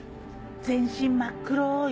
全身真っ黒い。